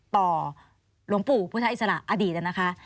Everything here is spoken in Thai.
หลวงปู่พุทธอิสระอดีตนะคะ